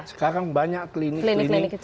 sekarang banyak klinik klinik